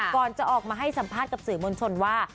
ก่อนจะออกมาให้สัมภาษณ์กับสื่อมวลชนว่า